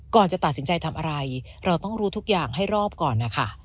ก่อนจะตัดสินใจทำอะไรเราต้องรู้ทุกอย่างให้รอบก่อนนะคะ